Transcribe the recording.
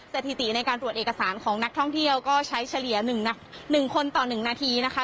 สถิติในการตรวจเอกสารของนักท่องเที่ยวก็ใช้เฉลี่ย๑คนต่อ๑นาทีนะคะ